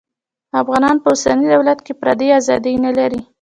افغانان په اوسني دولت کې فردي ازادي نلري